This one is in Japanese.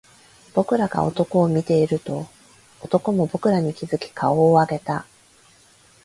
僕らが男を見ていると、男も僕らに気付き顔を上げた